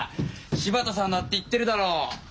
「柴田さん」だって言ってるだろう！